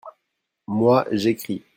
moi, j'écris.